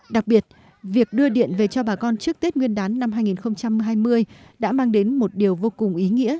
đặc biệt việc đưa điện về cho bà con trước tết nguyên đán năm hai nghìn hai mươi đã mang đến một điều vô cùng ý nghĩa